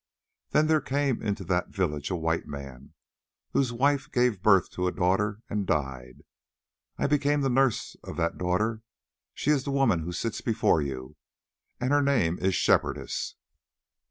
Then there came into that village a white man, whose wife gave birth to a daughter and died. I became the nurse of that daughter; she is the woman who sits before you, and her name is Shepherdess.